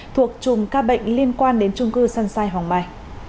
thuộc chùm ca bệnh liên quan đến chung cư san sai hòng mai